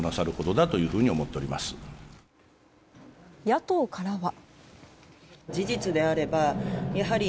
野党からは。